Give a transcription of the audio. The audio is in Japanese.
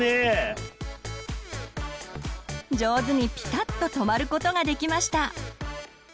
上手にピタッと止まることができました。